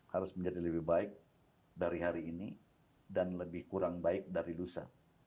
harus menjadi lebih baik dari hari ini dan lebih kurang baik dari lusa